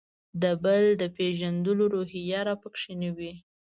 د «بل» د پېژندلو روحیه راکې نه وي.